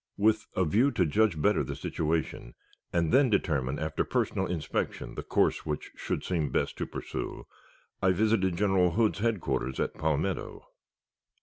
With a view to judge better the situation, and then determine after personal inspection the course which should seem best to pursue, I visited General Hood's headquarters at Palmetto.